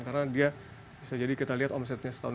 karena dia bisa jadi kita lihat omsetnya setahun